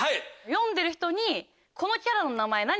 読んでる人に。